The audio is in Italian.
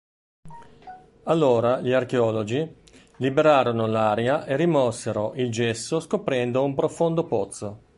Allora gli archeologi liberarono l'area e rimossero il gesso, scoprendo un profondo pozzo.